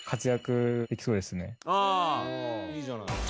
ああいいじゃない。